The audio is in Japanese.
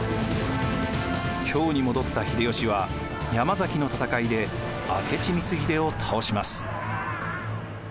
京に戻った秀吉は山崎の戦いで明智光秀を倒します。